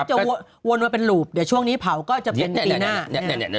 จะวนมาเป็นรูปเดี๋ยวช่วงนี้เผาก็จะเป็นปีหน้า